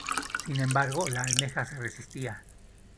Sin embargo la almeja se resistía.